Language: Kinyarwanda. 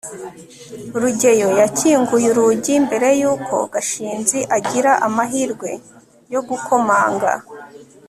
rugeyo yakinguye urugi mbere yuko gashinzi agira amahirwe yo gukomanga